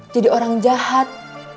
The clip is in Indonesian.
jadi orang jahat